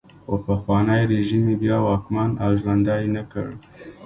خو پخوانی رژیم یې بیا واکمن او ژوندی نه کړ.